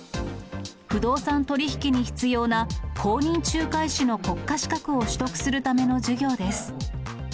不動産取り引きに必要な公認仲介士の国家資格を取得するための授業です。